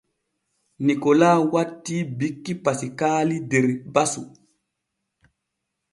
Nikola wattii bikki Pasiikaali der basu.